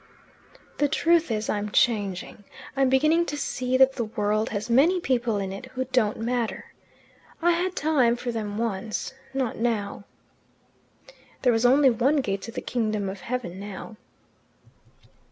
"The truth is, I'm changing. I'm beginning to see that the world has many people in it who don't matter. I had time for them once. Not now." There was only one gate to the kingdom of heaven now.